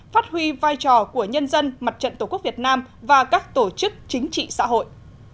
phát huy vai trò của nhân dân mặt trận tổ quốc việt nam và các tổ chức chính trị xã hội